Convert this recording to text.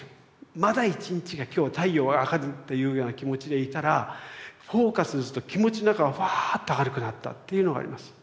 まだ一日が今日太陽上がるというような気持ちでいたらフォーカスすると気持ちの中がフワーッと明るくなったっていうのがあります。